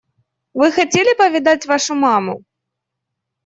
Вы хотели повидать вашу маму?